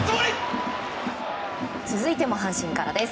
続いても阪神からです。